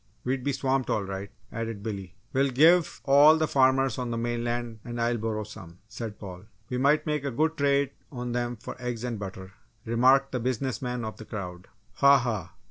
We'd be swamped all right!" added Billy. "We'll give all the farmers on the mainland and Islesboro some," said Paul. "We might make a good trade on them for eggs and butter!" remarked the business man of the crowd. "Ha, ha!